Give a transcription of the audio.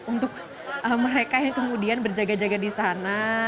untuk mereka yang kemudian berjaga jaga di sana